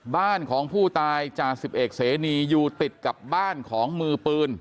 บ้านของผู้ตายจ่าสิบเอกเสนีอยู่ติดกับบ้านของมือปืน